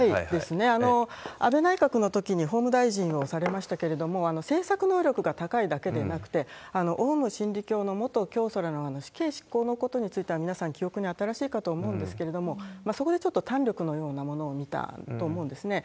安倍内閣のときに法務大臣をされましたけれども、政策能力が高いだけでなくて、オウム真理教の元教祖らの話、死刑執行のことについては皆さん記憶に新しいかと思うんですけれども、そこでちょっと胆力のようなものを見たと思うんですね。